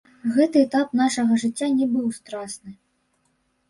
Гэты этап нашага жыцця не быў страсны.